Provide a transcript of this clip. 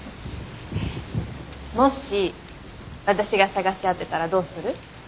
もし私が捜し当てたらどうする？